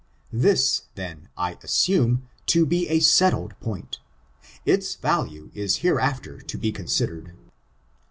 This, then, I assume, to be a settled point. Its value is hereafter to be considered.